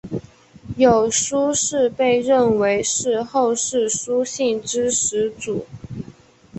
有苏氏被认为是后世苏姓之始祖。